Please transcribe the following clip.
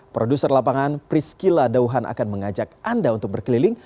produser lapangan priscila dauhan akan mengajak anda untuk berkeliling